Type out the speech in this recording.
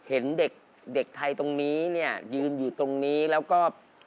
เห็นเด็กเด็กไทยตรงนี้เนี่ยยืนอยู่ตรงนี้แล้วก็